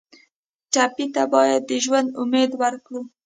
ټپي ته باید د ژوند امید ورکړو.